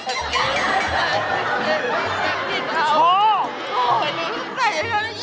มันทำได้อย่างไร